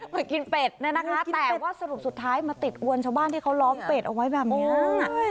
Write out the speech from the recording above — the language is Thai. ไปกินเป็ดเนี่ยนะคะแต่ว่าสรุปสุดท้ายมาติดอวนชาวบ้านที่เขาล้อมเป็ดเอาไว้แบบนี้